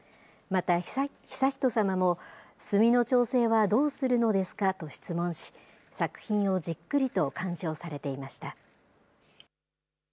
また、悠仁さまも、墨の調整はどうするのですかと質問し、作品をじっくりと鑑賞されていました。